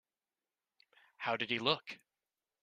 How did he look?